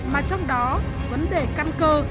mà trong đó vấn đề căn cơ